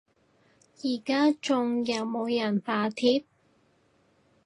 而家仲有冇人罷鐵？